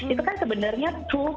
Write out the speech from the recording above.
itu kan sebenarnya tool